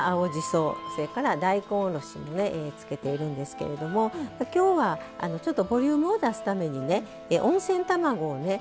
それから大根おろしもつけているんですけれども今日はちょっとボリュームを出すためにね温泉卵をね